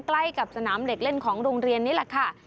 ใกล้กับสนามเหล็กเล่นของโรงเรียนนี่แหละค่ะ